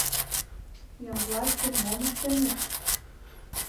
— Ямблатшым мом ыштеныт?